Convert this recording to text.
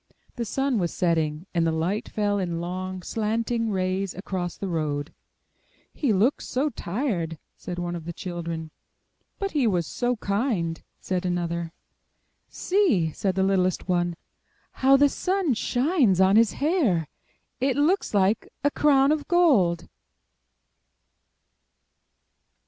The sun was setting, and the light fell in long, slanting rays across the road. *'He looks so tired!" said one of the children. *'But he was so kind!" said another. ''See!" said the littlest one. "How the sun shines on his hair! It looks like a crown of gold."